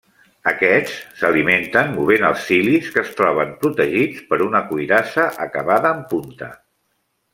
Aquests s'alimenten movent els cilis que es troben protegits per una cuirassa acabada en punta.